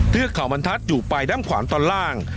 เทือกเขาบรรทัศน์อยู่ไปด้านขวานตอนล่าง